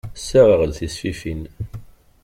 Ssaɣeɣ-d tisfifin.